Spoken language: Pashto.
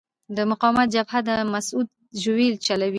د مقاومت جبهه د مسعود ژوی چلوي.